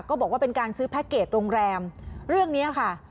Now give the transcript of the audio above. บอกว่าเป็นการซื้อแพ็คเกจโรงแรมเรื่องนี้ค่ะ